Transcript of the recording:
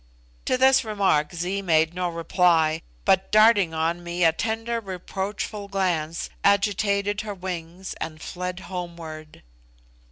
To this remark Zee made no reply, but, darting on me a tender reproachful glance, agitated her wings and fled homeward.